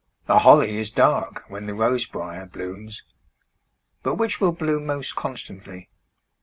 The holly is dark when the rose briar blooms, But which will bloom most constantly?